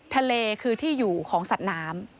ทะเลคือที่อยู่ของสัตว์น้ำ